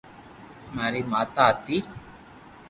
ماري ماتا ھتي